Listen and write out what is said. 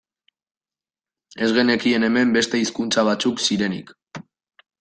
Ez genekien hemen beste hizkuntza batzuk zirenik.